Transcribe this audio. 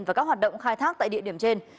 và các hoạt động khai thác tại địa điểm trên